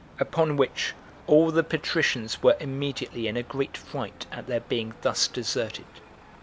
Upon which all the patricians were immediately in a great fright at their being thus deserted.